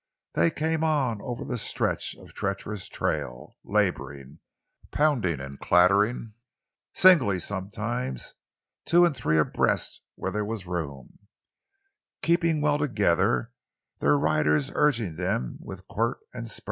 They came on over the stretch of treacherous trail, laboring, pounding and clattering; singly sometimes, two and three abreast where there was room, keeping well together, their riders urging them with quirt and spur.